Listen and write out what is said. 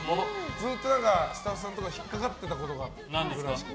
ずっとスタッフさんとかが引っかかってたことがあるらしく。